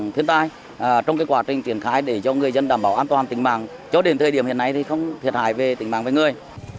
thiên tai trong quá trình triển khai để cho người dân đảm bảo an toàn tính mạng cho đến thời điểm hiện nay thì không thiệt hại về tính mạng với người